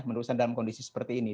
menurut saya dalam kondisi seperti ini